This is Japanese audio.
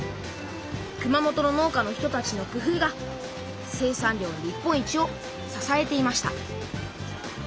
熊本の農家の人たちのくふうが生産量日本一をささえていました